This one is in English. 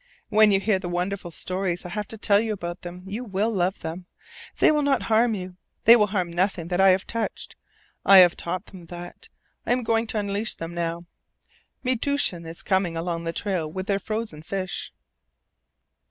When you hear the wonderful stories I have to tell about them you will love them. They will not harm you. They will harm nothing that I have touched. I have taught them that. I am going to unleash them now. Metoosin is coming along the trail with their frozen fish."